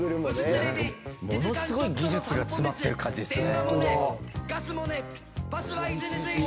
ものすごい技術が詰まってる感じっすね。